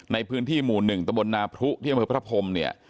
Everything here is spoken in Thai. ในพื้นที่หมู่หนึ่งตะบลนาพรุที่มีพระพรมเนี่ย